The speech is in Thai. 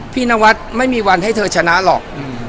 นวัดไม่มีวันให้เธอชนะหรอก